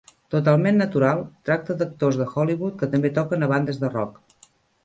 "Totalment Natural" tracta d'actors de Hollywood que també toquen a bandes de rock.